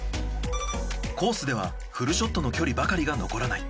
コースではフルショットの距離ばかりが残らない。